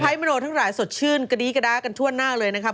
มโนทั้งหลายสดชื่นกระดี้กระด้ากันทั่วหน้าเลยนะครับ